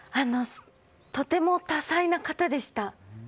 とても多彩な方でした。